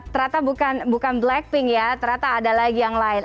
ternyata bukan blackpink ya ternyata ada lagi yang lain